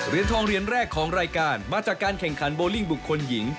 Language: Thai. ทองเหรียญแรกของรายการมาจากการแข่งขันโบลิ่งบุคคลหญิง